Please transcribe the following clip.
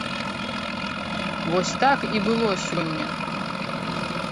Вось так і было сёння!